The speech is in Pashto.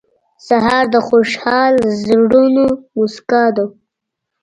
سهار د خوشحال زړونو موسکا ده.